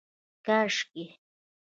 کاشکي